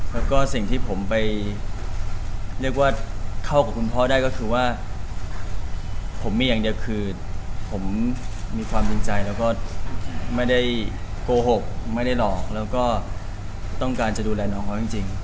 แล้วก็สิ่งที่ผมไปเรียกว่าเข้ากับคุณพ่อได้ก็คือว่าผมมีอย่างเดียวคือผมมีความจริงใจแล้วก็ไม่ได้โกหกไม่ได้หลอกแล้วก็ต้องการจะดูแลน้องเขาจริง